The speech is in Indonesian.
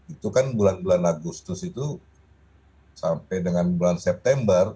itu kan bulan bulan agustus itu sampai dengan bulan september